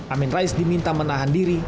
amin rais diminta menahan diri